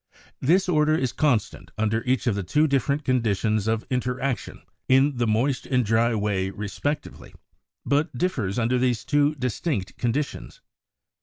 (2) This order is constant under each of the two different conditions of interaction in the moist and dry way respectively, but differs under these two distinct conditions.